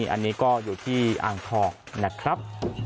อันนี้ก็อยู่ที่อ่างทองนะครับ